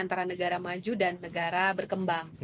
antara negara maju dan negara berkembang